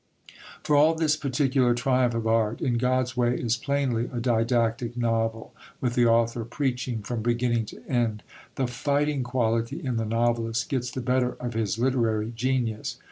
For all this particular triumph of art, In God's Way is plainly a didactic novel, with the author preaching from beginning to end. The "fighting" quality in the novelist gets the better of his literary genius.